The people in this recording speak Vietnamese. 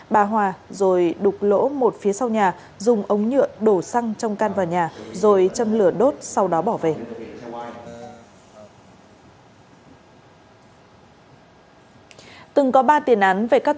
bà hòa rồi đục lỗ một phía sau nhà dùng ống nhựa đổ xăng trong can vào nhà rồi châm lửa đốt sau đó bỏ về